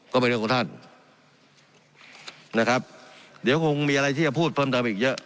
ก็เป็นเรื่องของท่านนะครับเดี๋ยวคงมีอะไรที่จะพูดเพิ่มเติมอีกเยอะ